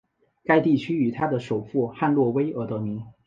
该地区以它的首府汉诺威而得名。